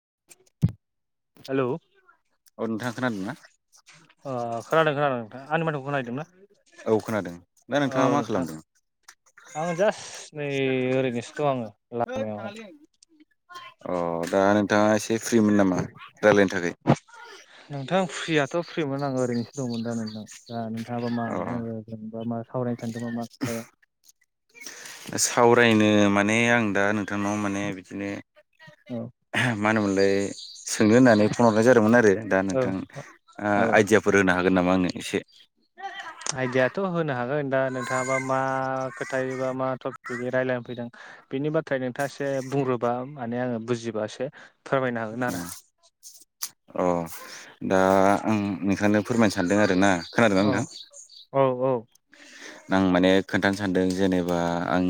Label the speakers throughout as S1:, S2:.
S1: [inaudible]
S2: Hello हो
S1: औ नोंथाङा खोनादों ना?
S2: खोनादों खोनादों नोंथां आनि माथोखौ खोनाहैदोंना?
S1: औ खोनादों दा नोंथाङा मा खालामदों?
S2: आं जास्ट नै ओरैनोसो दं आङो लामायावहाय।
S1: अ दा नोंथाङा एसे फ्रिमोन नामा रायलायनो थाखाय?
S2: नोंथां फ्रियाथ' फ्रिमोन आंओरैनोसो दंमोन दा नोंथां दा नोंथाङाबा मा आङो जेनबा मा सावरायनो सानदोंमोन मा खोथायाव
S1: सावरायनो माने आं दा नोंथांनाव माने बिदिनो
S2: औ
S1: मा होनोमोनलाय सोंनो होननानै फन हरनाय जादोंमोन आरो दा
S2: औ
S1: नोंथां
S2: औ
S1: आइदियाफोर होनो हागोन नामा आनो एसे?
S2: आइदियाथ' होनो हागोन। दा नोंथाङाबा मा खोथाय बा मा टपिकयै रायजलायनो फैदों। बेनि बाथ्रा नोंथाङा एसे बुंग्रोबा माने आङो बुजिबासो फोरमायनो हागोन आरो।
S1: अ दा आं नोंथांनो फोरमायनो सानदों आरोना खोनादोंना
S2: औ
S1: नोंथां?
S2: औ औ
S1: आं माने खोन्थानो सानदों जेनेबा आं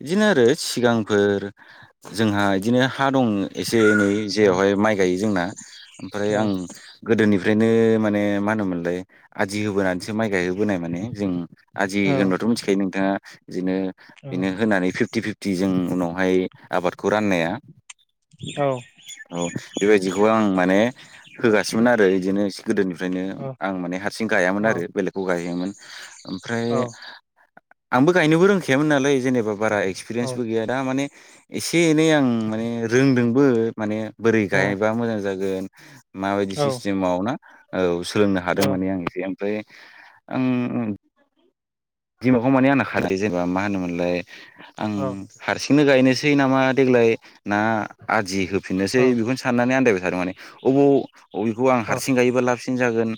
S1: बिदिनो आरो सिगांफोर जोंहा इदिनो हा दं एसे एनै जेरावहाय माइ गायो जोंना ओमफ्राय आं गोदोनि फ्रायनो माने मा होनोमोनलाय आदि होबोनानैसो माइ गाय होबोनाय माने जों आदि
S2: औ
S1: होननाथ' मिथिखायो नोंथाङा बिदिनो
S2: औ
S1: बेनो होनानै फिफ्टि फिफ थिजों उनावहाय आबादखौ राननाया।
S2: औ
S1: औ बेबायदिखौ आं माने होगासिनोमोन आरो बिदिनो गोदोनिफ्रायनो आं माने हारसिं गायामोन आरो बेलेगखौ गाहोयोमोन।
S2: औ
S1: ओमफ्राय आंबो गायनोबो रोंखायामोन नालाय जेनेबा बारा
S2: औ
S1: एक्सपिरियेन्सबो गैया दा माने एसे एनै आं माने रोंदोंबो माने बोरै
S2: उम
S1: गायबा मोजां जागोन माबायदि
S2: औ
S1: सिस्टेमाव ना औ सोलोंनो
S2: औ
S1: हादोंमोन आं एसे ओमफ्राय आं दिमागाव माने आंना खारै जेनेबा मा होनोमोनलाय आं
S2: औ
S1: हारसि बेखौनो गायनोसै नामा देग्लाय ना आदि
S2: औ
S1: होफिननोसै बेखौनो साननानै आन्दायबाय। थार माने अबाव अबेखौ आं
S2: औ
S1: हारसिं गायोबा लाबसिन जागोन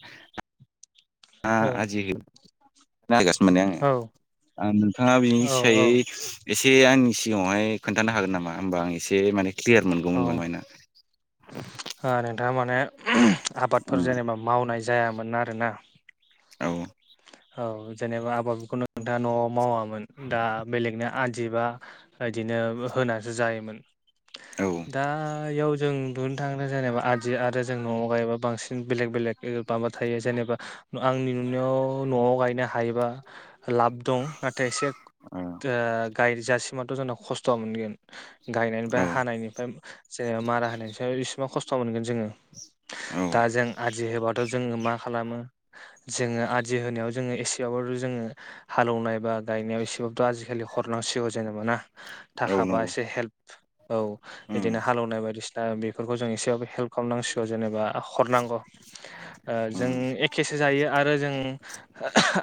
S1: आ आदि नायगासिनो मोने आङो
S2: औ
S1: आ नोंथाङा बिनि
S2: औ औ
S1: सियायै एसे आंनि सिगाङावहाय खोन्थानो हागोन नामा होमबा आं एसे माने क्लियार मोनगौमोन
S2: ओ
S1: मायना
S2: नोंथाङा माने आबादफोर जेनेबा मावनाय जायामोन आरोना।
S1: औ।
S2: औ जेनेबा आबादखौ नोंथाङा न'आव मावामोन दा बेलेगनो आदि बा बिदिनो होनासो जायोमोन
S1: औ
S2: दायाव जों दुनो थांनो जेनेबा आदि आरो जों न'आव गायोबा बांसिन बेलेग बेलेग माबा थायो जेनेबा आंनि नुनायाव न'आव गायनो हायोबा लाब दं नाथाय एसे ओ
S1: औ
S2: गायजासिमाथ' जोंना खस्थ'आ मोनगोन। गायनायनिफ्राय
S1: औ
S2: हानायनिफ्राय जेनेबा मारा होनायनिफ्राय इसेबां खस्थ' मोनगोन जोङो दा जों आदि होबाथ' जोङो मा खालामो जोङो आ दि होनायाव जोङो एसेबाब जोङो हालेवनाय बा गायनायाव एसेबाबोथ' आजिखालि हरनांसिगौ जेनेबा ना
S1: औ
S2: थाखाबा
S1: नंगौ
S2: एसे हेल्प औ
S1: उम
S2: बिदिनो हालौनाय बायदिसिना बेफोरखौ जों एसेबाबो हेल्प खालामनांसिगौ जेनेबा हरनांगौ ओ जों
S1: उम
S2: एखेसो जायो आरो जों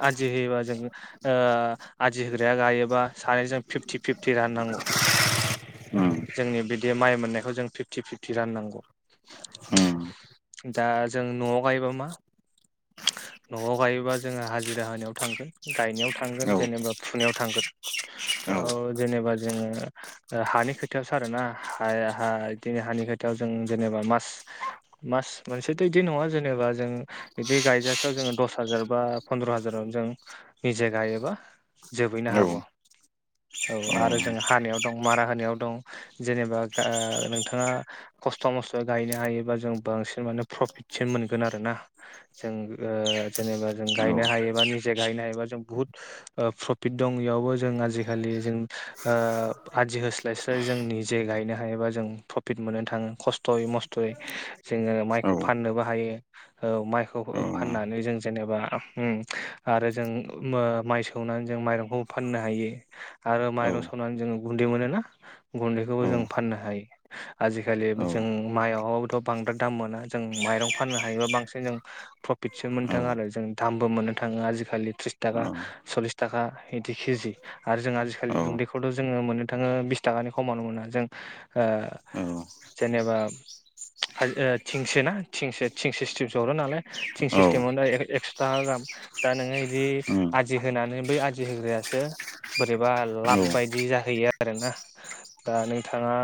S2: आदि होयोबा जों ओ आदि होग्राया गायोबा सानैजों फिफ्टि फिफ थि राननांगौ।
S1: [inaudible]
S2: जोंनि बिदि माइ मोननायखौ जों फिफ्टि फिफ्टि राननांगौ।
S1: उम
S2: दा जों न'आव गायबा मा न'आव गाय बा जोङो हाजिरा होनायाव थांगोन गायनायाव थांगोन
S1: औ
S2: जेनेबा फुनायाव थांगोन।
S1: औ
S2: एयाव जेनेबा जोङो ओ हानि खोथायावसो आरोना हाया हा हा बिदिनो हानि खोथायाव जों जेनेबा मास मास मोनसेथ' बिदि नङा जेनेबा जों बिदि गायजासेयाव जोङो दस हाजार बा फन्द्र' हाजारावनो जों निजा गायोबा जोबहैनो
S1: औ
S2: हागौ। औ आरो जों हानायाव दं मारा होनायाव दं जेनेबा गा नोंथाङा खस्थ' मस्थ'यै गायनो हायोबा जों बांसिन माने प्रफिटसो मोनगोन आरोना जों ओ ओ जेनेबा जों गायनो हायोबा निजे गायनो हायोबा जों बुहुत ओ प्रफिट दं बेयावबो जों आजिखालि जों ओ आदि होस्लायस्लाय जों निजे गायनो हायोबा जों प्रफिट मोननो थाङो खस्थ'यै माव खस्थ'यै जोङो
S1: औ
S2: माइखौ फाननोबो हायो औ माइखौ फाननानै जों जेनेबा उम आरो जों मो ओ माइ सौनानै जों माइरंखौ फाननो हायो आरो राव सैनानै जोंङो गुन्दै मोनो ना गुन्दैखौबो जों फाननो हायो आजि खालि जों माइ दावाबोथ' बांद्राय दाम मोना जों माइरं फाननो हायोबा बांसिन जों प्रफिटसो मोन्थों आरो जों दामबो मोननो थाङो आजिखालि थ्रिस थाखा सल्लिस थाखा बिदि के जि आरो जों आजिखालि गु बेखौथ' जोङो मोननो थाङो बिस थाखानि खमावनो मोना जों ओ जेनेबा [unintelligible] थिंसो ना थिंसो थिं सिस्टेमसो हरो नालाय थिं सिस्टेमावनो [unintelligible] था गाहाम दा नोङो इदि आदि होनानै बै आदि होग्रायासो बोरैबा लाब बायदि जाहैयो आरोना। दा नोंथाङा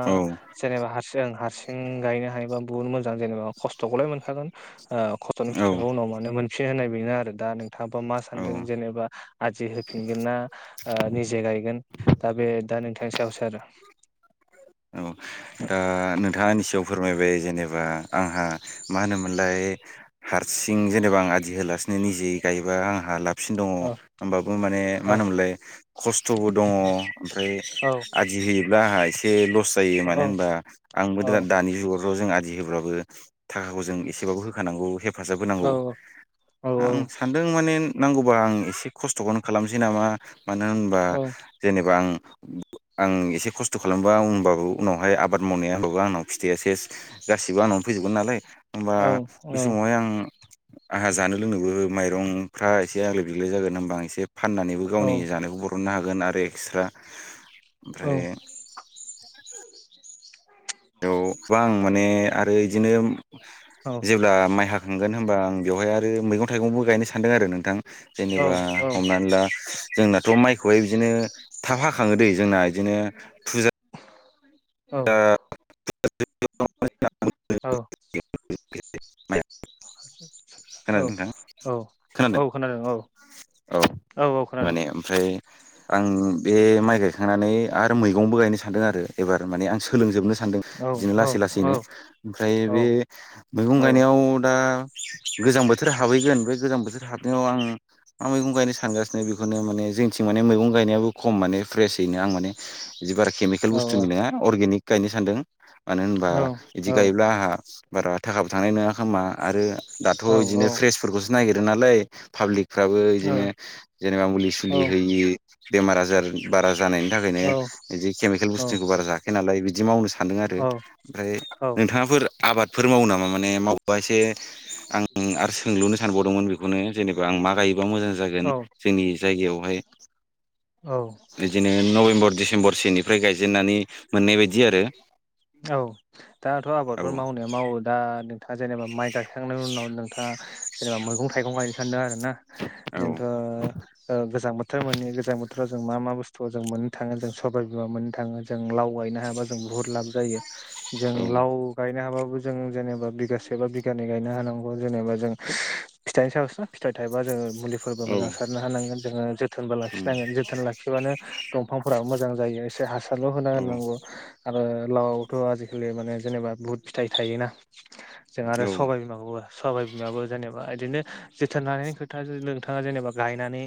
S2: जेनेबा हारसिं हारसिं गायनो हायोबा बुहुत मोजां जेनेबा खस्थखौलाय। मोनखागोन ओ खस्थनि फिथाइखौ उनाव मोनो मोनफिनो होन्नाय बेनो आरो दा नोंथाङाबा मा
S1: औ
S2: सानदों जेनेबा आदि होफिनगोन ना ओ निजे गायगोन दा बे दा नोंथांनि सायावसो आरो।
S1: औ दा नोंथाङा आंनि सायाव फोरमायबाय जेनेबा आंहा मा होनोमोनलाय हारसिं जेनेबा आं आदि होलासि निजेयै गायोबा आंहा लाब सिन दङ
S2: औ
S1: होमबाबो माने मा
S2: औ
S1: होनोमोनलाय खस्थबो दङ ओमफ्राय
S2: औ
S1: आदि होयोब्ला आंहा एसे लस जायो मानो
S2: औ
S1: होनबा आंबो
S2: औ
S1: दा दानि जुगावथ आ दि होब्लाबो थाखाखौ जों एसेबाबो होखानांगौ हेब फाजाब होनांगौ
S2: औ औ
S1: आं सानदों माने नांगौबा आं एसे खस्थखौनो खालामसै नामा मानो होनबा
S2: औ
S1: जेनेबा आं आं एसे खस्थ खालामबा होनबाबो उनावहाय आबाद मावनाया होनबाबो आंनाव फिथाइया सेस गासिबो आंनावनो फैजोबगोन नालाय। होमबा
S2: औ औ
S1: बे समावहाय आं आंहा जानो लोंनोबो माइरंफ्रा एसे आग्लाय बिग्लाय जागोन होमबा आं एसे फाननानैबो
S2: औ
S1: गावनि जानायखौ बरननो हागोन आरो एकस्रा
S2: औ
S1: ओमफ्राय औ बा आं माने आरो इदिनो
S2: औ
S1: जेब्ला माइ हाखांगोन होमबा आं बेवहाय आरो मैगं थाइगंबो गायनो सानदों आरो नोंथां।
S2: औ
S1: जेनेबा हमनानै ला जोंनाथ माइखौहाय बिदिनो थाब हाखाङो दै जोंना बिदिनो फुज ओ
S2: औ।
S1: [unintelligible] खोनादों
S2: औ
S1: नोंथां
S2: औ औ खोनादों औ।
S1: औ
S2: औ खोनादों
S1: माने ओमफ्राय आं बे माइ गायखांनानै आर मैगंबो गायनो सानदों आरो एबार माने आं सोलोंजोबनो सानदों
S2: औ
S1: बिदिनो
S2: औ
S1: लासै
S2: औ
S1: लासैनो ओमफ्राय
S2: औ
S1: बे मैगं गायनायाव दा गोजां बोथोर हाबहैगोन बे गोजां बोथोर हाबनायाव आं मा मैगं गायनो सानगासिनो बेखौनो माने जोंथिं माने मैगं गायनायाबो खम माने फ्रेसयैनो आं माने बिदि बारा केमिकेल बुस्थुनि नोङा अरगेनिक गायनो सानदों मानो होनबा बिदि गायोब्ला आहा बारा थाखाबो थांनाय नङा खोमा आरो दाथ बिदिनो फ्रेसफोरखौसो नागिरो नालाय पाब्लिक फ्राबो बिदिनो जेनेबा मुलि सुलि
S2: औ
S1: होयि बेमार आजार बारा जानायनि थाखायनो बिदि केमिकेल
S2: औ
S1: बुस्थुनिखौ बार जाखाया नालाय बिदि मावनो सा सान्दों आरो
S2: औ
S1: ओमफ्राय नोंथाङाफोर आबाद फोर मावो नामा माने मावबा एसे आं आरो सोंलुनो सानबावदोंमोन बेखौनो जेनेबा आं मा गायो बा मोजां जागोन जोंनि जायगायावहाय बिदिनो नबेम्बर डिसेम्बर सोनिफ्राय गायजेननानै मोननाय बायदि आरो
S2: औ दाथ आबादफोर मावनाया मावो दा थाङा जेनेबा माइ गायखांनायनि उनाव नोंथाङा जेनेबा मैगं थाइगं गायनो सान्दों आरो ना
S1: औ
S2: जोंथ ओ गोजां बोथोर मोनैयो गोजां बो थोराव जों मा मा बुस्थुखौ जों मोननो थाङो जों सबाइ बिमा मोननो थाङो जों लाव गायनो हाबा जों बुहुद लाब जायो जों
S1: औ
S2: लाव गायनो हाबो जों जेनेबा बिगासेबा बिगानै गायनो हानांगौ जेनेबा जों फिथाइनि सायावसोना फिथाइ थायोबा जोङो मुलिफोरबो
S1: औ
S2: मोजां सारनो हानांगोन जोङो जोथोनबो
S1: उम
S2: लाखिनांगोन जोथोन लाखिबानो दंफांफोराबो मोजां मोजां जायो एसे हासारल' होना
S1: औ
S2: होननांगौ आरो लावआवथ' आजिखालि माने जेनेबा बुहुथ फिथाइ थायोना जों आरो
S1: औ
S2: सबाय बिमाखौबो सबाइ बिमाबो जेनेबा बिदिनो जोथोन लानायनि खोथा नोंथाङा जेनेबा गायनानै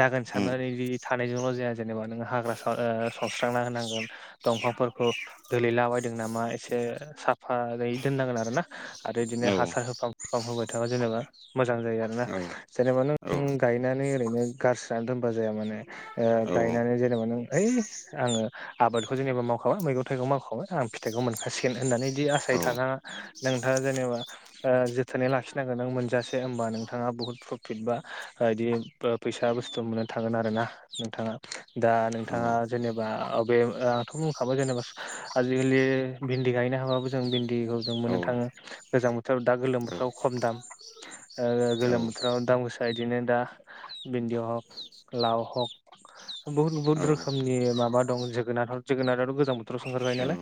S2: जागोन
S1: उम
S2: साननानै बि साननायजोंल' जाया जेनेबा नोङो हाग्रा सनस्रांना होनांगोन दंफांफोरखौ [unintelligible] नामा एसे साफै दोननांगोन आरोना आरो बिदिनो
S1: औ
S2: हासार होफाब होब थाङा जेनेबा मोजां जायो आरो ना जेनेबा नों गायनानै ओरैनो गारस्रिनानै दोनबा जाया ओ माने
S1: औ
S2: गायनानै जेनेबा नों ओइ आङो आबादखौ जेनेबा मावखाबाय मैगं थाइगं मावखाबाय आं फिथाइखौ मोनखाासिगोन होननानै बिदि आसाय थानाङा नोंथाङा जेनेबा ओ जोथोनै लाखिनांगोन नों मोनजासे होमबा नोंथाङा बुहुत प्रफिट बा बिदि फैसा बुस्थु मोननो थागोन आर ना नोंथाङा दा नोंथाङा जेनेबा अबे आंथ' बुंखाबाय जेनेबा आजिखालि भिन्दि गायनो हाबाबो जों दैखौ जों मोननो थाङो गोजां बोथोराव दा गोलोम बोथोराव खम दाम ओ गोलोम बोथोराव दामगोसा बिनो दा बिन्दि हक लाव हक बहुत बहुत रोखोनिबा माबा दं जोगोनार जोगोनार गोज [unintelligible] नालाय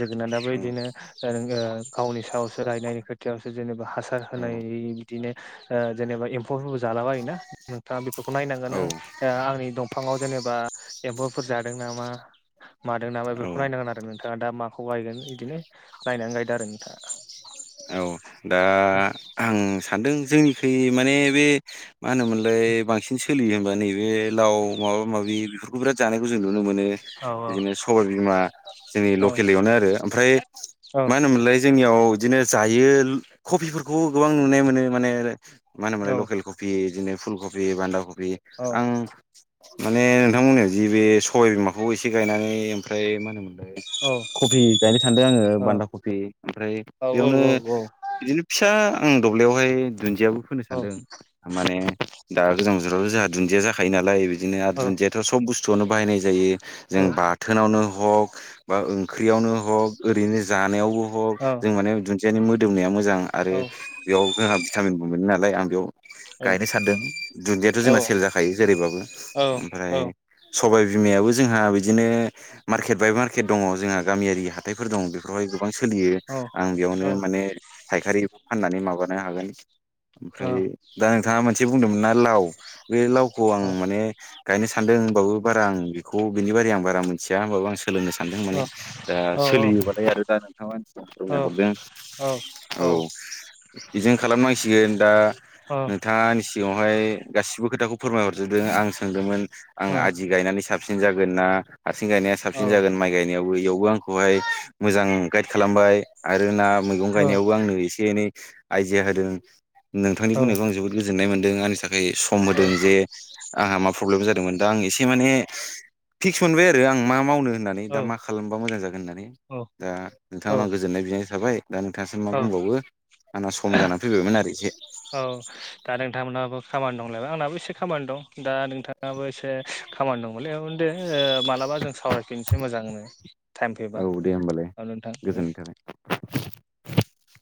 S2: जोगोनादाबो बिदिनो ओं ओ गावनि सायावसो रायनायनि खोथिावसो जेनेबा हासार होनाय बिदिनो ओ जेनेबा एम्फौबो जालाबायायोना नोंथाङा बेखौ नायनांगोन
S1: औ
S2: नों ओ आंनि दंफाङाव जेनेबा एम्फौफोर जादों नामा मादों नामा
S1: औ औ
S2: बेखौ नायनांगोन आरो नोंथाङा दा माखौ बायगोन बिदिनो नायनानै गायदों आरो नोंथाङा
S1: औ दा आं सानदों जोंनिख माने बे मा होनोमोनलाय बांसिन सोलियो होनबा नैबे लाव माबा माबि बेफोरखौ बिराद जानायखौ जों नुनो नुनो मोनो
S2: औ
S1: बिदिनो सबाय बिमा जोंनि
S2: औ
S1: लकेलयावनो आरो ओमफ्राय
S2: औ
S1: मा होनोमोनलाय जोंनियाव बिदिनो जायो कफिफोरखौ गोबां नुनाय मोनो माने मा होनोमाय
S2: औ
S1: लकेल कफि बिदिनो फुल कबि बान्दा कफि आं माने नोंथांमोननियाव जि बे सय बिमाखौ एसे गायनानै ओमफ्राय मा होनोमोन कफि गायनो सानदों आङो
S2: औ
S1: बान्दा कफि ओमफ्राय
S2: औ औ
S1: बेयावनो बिदिनो फिसा आं दबलियावहाय दुन्दियाबो फोनो सानदों माने दा गोजां बोथोरावथ' जोंहा दुन्दिया जाखायो नालाय बिदिनो आरो दुन्दियाथ' सब बुस्थुआनो बाहायनाय जायो
S2: औ
S1: जों बाथोनावनो हग बा ओंख्रियावनो हक ओरैनो जानायावबो हक हक जों माने दुन्दियानि मोदोमनाया मोजां आरो
S2: औ
S1: बेयाव जोंहा भिटामिनबो मोनो नालाय आं बेयाव गायनो सानदों दुन्दियाथ'
S2: औ
S1: जोंना
S2: औ
S1: सेल जाखायो जेरैबाबो
S2: औ औ
S1: ओमफ्राय सबायाइ बिमायाबो जोंहा बिदिनो मार्केट बाय मार्केट दङ जोंहा गामियारि हाथाइफोर दं बेफोरावहाय गोबां सोलियो
S2: औ
S1: आं
S2: औ
S1: बेयावनो माने फायखारि फाननानै माबानो हागोन
S2: औ
S1: ओमफ्राय दा नोंथाङा मोनसे बुंदोंमोन ना लाव बे लावखौ आं माने गायनो सानदों होनबाबो बारा आं बेखौ बिनि बारै आं बारा मिथि होनबबो आं स सोलोंनो सानदों
S2: औ
S1: माने दा
S2: औ औ
S1: सोलियोबालाय आरो दा नोंथांमोननिसिम
S2: औ
S1: फोरमायहरदों
S2: औ औ
S1: बेजों खालामनांसिगोन दा नोंथाङनि सिगाङावहाय गासिबो खोथाखौ फोरमायहरजोबदों आं सोंदोंमोन आं आदि गायनानै साबसिन जागोन ना आथिं गायनाया साबसिन जागोन माइ गायनायावबो इयावबो आंखौहाय मोजां गाइद खालामबाय आरो ना मैगं गायनायावबो आंनो एसे एनै आइडिया होदों नोंथांनि बुंनायखौ आं जोबोद गोजोन गोजोननाय मोनदों आंनि थाखाय सम होदों जे आंहा मा प्रब्लेम जादोंमोन दा आं एसे माने फिक्स मोनबाय आरो आं मा मावनो होननानै दा मा खालामबा मोजां जागोन होननानै। दा नोंथांहा गोजोननाय बिनाय थाबाय दा नोंथाङासो मा
S2: औ
S1: बुंबावो। आंना सम जानानै फैबायमोन आरो खि
S2: औ दा नोंथांमोनहाबो खामानि दंलायबाय आंनाबो एसे खामानि दं दा नोंथाङाबो एसे खामानि दंमोनलै दे मालाबा जों सावरायफिननोसै मोजांनो टाइम
S1: औ
S2: फैबा।
S1: दे
S2: नोंथां
S1: गोजोननाय थाबाय।